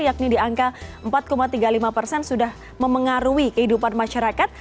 yakni di angka empat tiga puluh lima persen sudah memengaruhi kehidupan masyarakat